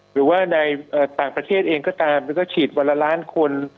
หรือว่าในต่างประเทศเองก็ตามหรือก็ฉีดวันละล้านคน